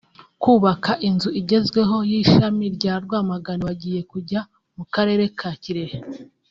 kubaka inzu igezweho y’ishami rya Rwamagana ; bagiye kujya mu karere ka Kirehe